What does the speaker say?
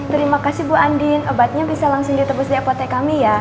terima kasih bu andin obatnya bisa langsung ditebus di apotek kami ya